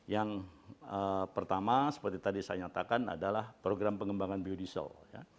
yang pertama seperti tadi saya nyatakan adalah program pengembangan biodiesel